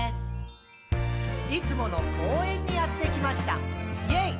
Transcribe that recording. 「いつもの公園にやってきました！イェイ！」